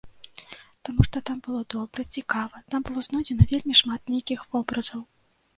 Таму што там было добра, цікава, там было знойдзена вельмі шмат нейкіх вобразаў.